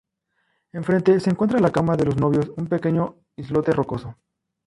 Enfrente se encuentra La Cama de los Novios, un pequeño islote rocoso.